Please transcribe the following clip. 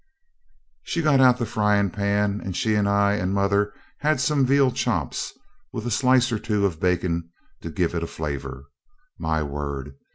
So she got out the frying pan, and she and I and mother had some veal chops, with a slice or two of bacon to give it a flavour. My word!